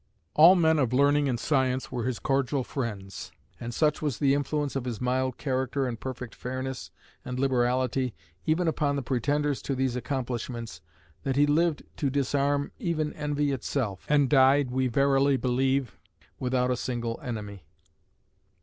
All men of learning and science were his cordial friends; and such was the influence of his mild character and perfect fairness and liberality, even upon the pretenders to these accomplishments, that he lived to disarm even envy itself, and died, we verily believe, without a single enemy.